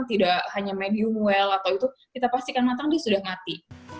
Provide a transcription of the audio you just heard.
tidak hanya medium well atau itu kita pastikan matang itu sudah mati